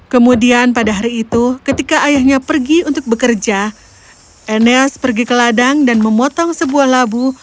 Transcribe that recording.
kemudian pada hari itu ketika ayahnya pergi untuk bekerja eneas pergi ke ladang dan memotong sebuah labu